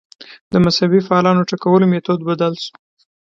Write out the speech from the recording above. د مذهبي فعالانو ټکولو میتود بدل شو